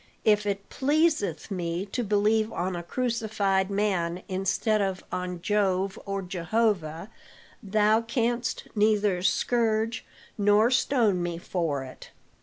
If it pleaseth me to believe on a crucified man instead of on Jove or Jehovah, thou canst neither scourge nor stone me for it.